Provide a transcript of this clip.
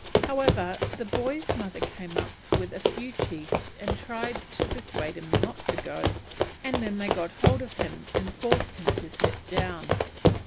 However, the boys' mother came up with a few chiefs and tried to persuade him not to go, and then they caught hold of him and forced him to sit down.